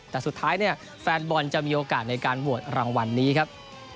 แต่สุดท้ายเนี่ยแฟนบอลจะมีโอกาสในการโหวตรางวัลนี้ครับ